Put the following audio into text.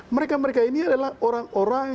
mereka mereka ini adalah orang orang